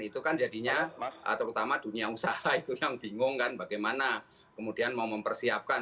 itu kan jadinya terutama dunia usaha itu yang bingung kan bagaimana kemudian mau mempersiapkan